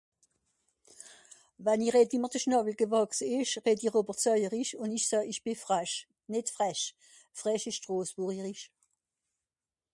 Wann i redd wie mr de Schnàwwel gewàchse ìsch, redd i (...) ùn ìch soe ìch bì froesch. Nìt frech, frech ìsch Strosbùrrierrisch.